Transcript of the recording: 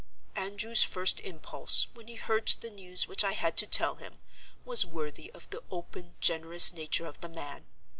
"Andrew's first impulse, when he heard the news which I had to tell him, was worthy of the open, generous nature of the man.